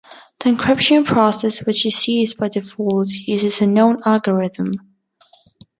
The encryption process which is used by default uses a known algorithm.